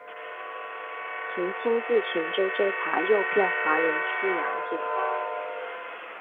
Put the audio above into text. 曾亲自乘舟追查诱骗华人出洋者。